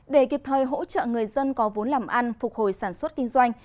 để kịp thời hỗ trợ người dân có vốn làm ăn phục hồi sản xuất kinh doanh